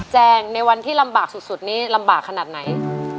แงงในวันที่ลำบากสุดนี้ลำบากขนาดไหน